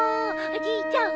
おじいちゃん